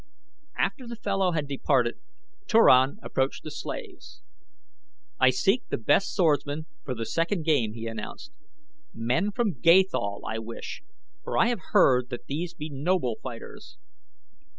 After the fellow had departed Turan approached the slaves. "I seek the best swordsmen for the second game," he announced. "Men from Gathol I wish, for I have heard that these be noble fighters."